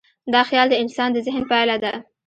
دا خیال د انسان د ذهن پایله ده.